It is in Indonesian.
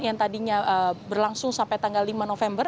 yang tadinya berlangsung sampai tanggal lima november